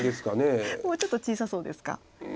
もうちょっと小さそうですか。